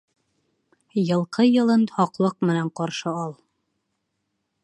Йылҡы йылын һаҡлыҡ менән ҡаршы ал.